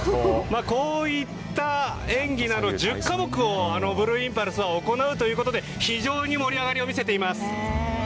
こういった演技など１０科目をブルーインパルスは行うということで非常に盛り上がりを見せています。